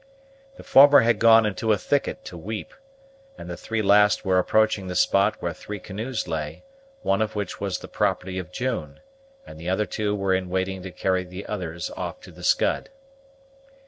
The former had gone into a thicket to weep, and the three last were approaching the spot where three canoes lay, one of which was the property of June, and the other two were in waiting to carry the others off to the Scud.